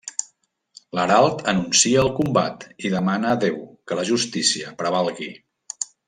L'herald anuncia el combat i demana a Déu que la justícia prevalgui.